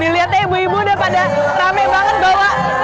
lihat ya ibu ibu udah pada rame banget bawa rantangan ini isinya apa aja bu